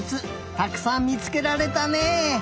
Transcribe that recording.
たくさんみつけられたね。